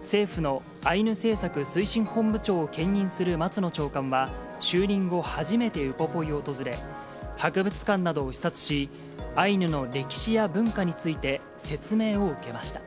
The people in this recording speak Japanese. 政府のアイヌ政策推進本部長を兼任する松野長官は、就任後、初めてウポポイを訪れ、博物館などを視察し、アイヌの歴史や文化について説明を受けました。